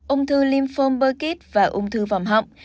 ung thư lymphoma burkitt và ung thư vòng họng